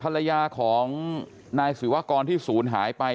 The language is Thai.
ภรรยาของนายศิวากรที่ศูนย์หายไป